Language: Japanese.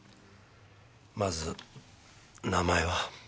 まず名前は？